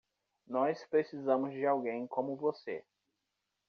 Nós precisamos de alguém como você.